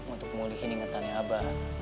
untuk mulihin ingetannya abah